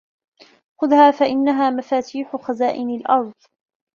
خُذْهَا فَإِنَّهَا مَفَاتِيحُ خَزَائِنِ الْأَرْضِ